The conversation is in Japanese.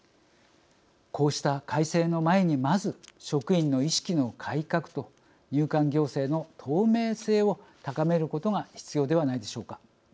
こうした改正の前にまず職員の意識の改革と入管行政の透明性を高めることが必要ではないでしょうか。